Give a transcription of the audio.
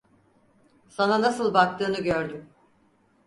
Sana nasıl baktığını gördüm.